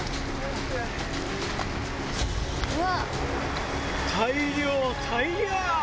うわっ！